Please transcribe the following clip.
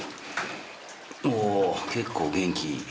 おお結構元気いい。